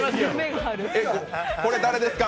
これ、誰ですか？